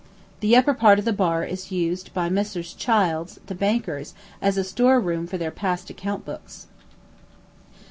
The upper part of the bar is used by Messrs. Childs, the bankers, as a store room for their past account books.